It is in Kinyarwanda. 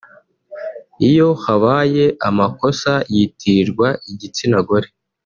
iyo habaye amakosa yitirirwa igitsina gore